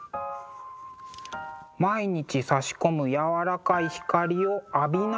毎日さし込むやわらかい光を浴びながらの仕事。